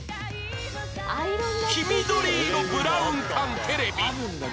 黄緑色ブラウン管テレビ